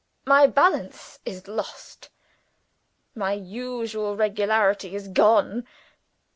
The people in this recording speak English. My balance is lost my usual regularity is gone.